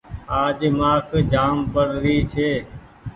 آج مآک جآم پڙري ڇي۔